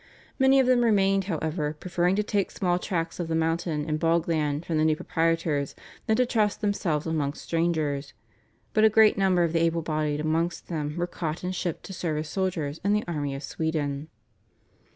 Many of them remained, however, preferring to take small tracts of the mountain and bog land from the new proprietors than to trust themselves among strangers; but a great number of the able bodied amongst them were caught and shipped to serve as soldiers in the army of Sweden.